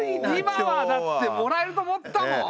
今はだってもらえると思ったもん。